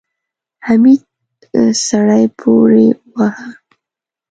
حميد سړی پورې واهه.